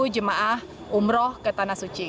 enam puluh tiga jemaah umroh ke tanah suci